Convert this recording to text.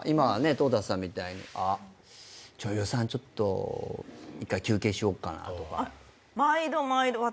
トータスさんみたいに「あっ女優さんちょっと１回休憩しようかな」とか。